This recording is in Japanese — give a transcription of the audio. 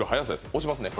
押しますね